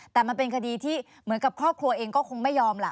แต่มันเป็นคดีที่เหมือนกับครอบครัวเองก็คงไม่ยอมล่ะ